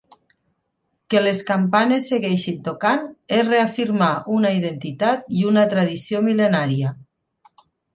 Que les campanes segueixin tocant és reafirmar una identitat i una tradició mil·lenària.